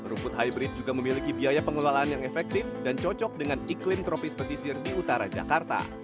rumput hybrid juga memiliki biaya pengelolaan yang efektif dan cocok dengan iklim tropis pesisir di utara jakarta